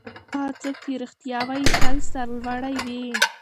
هغه څوک چې رښتیا وايي تل سرلوړی وي.